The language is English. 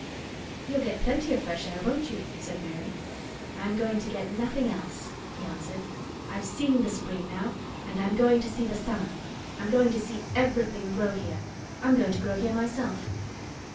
"You'll get plenty of fresh air, won't you?" said Mary. "I'm going to get nothing else," he answered. "I've seen the spring now and I'm going to see the summer. I'm going to see everything grow here. I'm going to grow here myself."